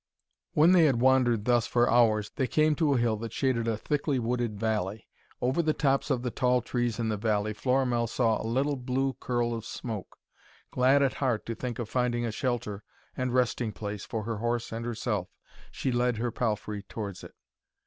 When they had wandered thus for hours, they came to a hill that shaded a thickly wooded valley. Over the tops of the tall trees in the valley Florimell saw a little blue curl of smoke. Glad at heart to think of finding a shelter and resting place for her horse and herself, she led her palfrey towards it.